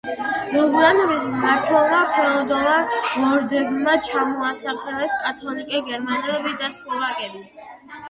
მოგვიანებით, მმართველმა ფეოდალმა ლორდებმა ჩამოასახლეს კათოლიკე გერმანელები და სლოვაკები.